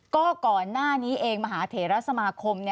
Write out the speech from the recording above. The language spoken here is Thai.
ก็ก่อนหน้านี้เองมหาเถระสมาคม